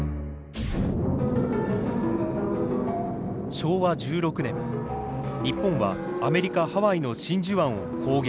昭和１６年日本はアメリカ・ハワイの真珠湾を攻撃。